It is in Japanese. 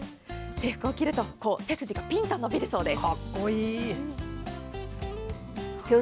制服を着ると背筋がピンと伸びるそうです。